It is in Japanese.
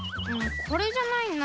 これじゃないな。